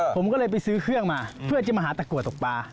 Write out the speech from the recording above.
ผมก็เลยไปซื้อเครื่องมาเพื่อจะมาหาตะกัวตกปลา